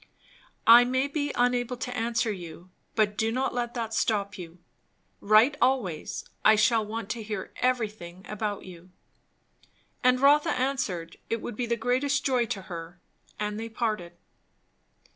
"I may be unable to answer you, but do not let that stop you. Write always; I shall want to hear everything about you." And Rotha answered, it would be the greatest joy to her; and they parted.